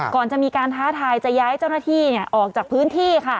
ก่อนจะมีการท้าทายจะย้ายเจ้าหน้าที่ออกจากพื้นที่ค่ะ